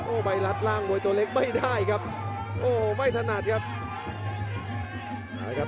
โอ้โหไปรัดร่างมวยตัวเล็กไม่ได้ครับโอ้ไม่ถนัดครับ